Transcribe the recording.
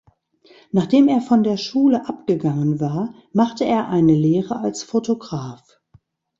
Nachdem er von der Schule abgegangen war, machte er eine Lehre als Fotograf.